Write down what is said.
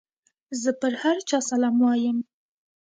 زه پر هر چا سلام وايم.